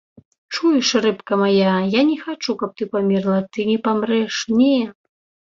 Чуеш, рыбка мая, я не хачу, каб ты памерла, ты не памрэш, не!